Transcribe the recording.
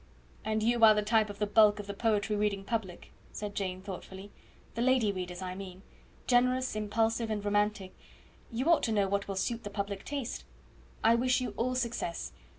"And you are the type of the bulk of the poetry reading public," said Jane thoughtfully. "The lady readers, I mean; generous, impulsive, and romantic; you ought to know what will suit the public taste. I wish you all success.